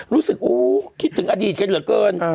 รู้สึกคิดถึงอดีตกันเหลือเกิน